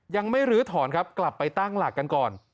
ลื้อถอนครับกลับไปตั้งหลักกันก่อน